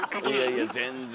いやいや全然。